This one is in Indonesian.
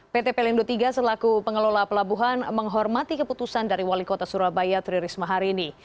pt pelindo iii selaku pengelola pelabuhan menghormati keputusan dari wali kota surabaya tri risma hari ini